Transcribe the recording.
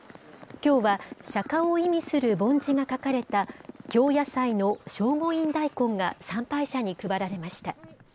きょうは、釈迦を意味するぼん字が書かれた京野菜の聖護院大根が参拝者に配られました。